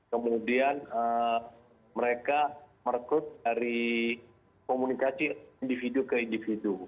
kemudian mereka merekrut dari komunikasi individu ke individu